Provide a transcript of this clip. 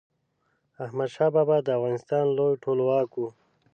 احمد شاه بابا د افغانستان لوی ټولواک و.